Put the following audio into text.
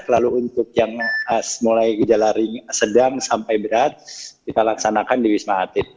lalu untuk yang mulai gejala sedang sampai berat kita laksanakan di wisma atlet